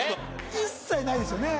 一切無いですよね。